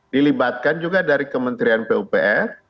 dilibatkan juga dari kementerian pupr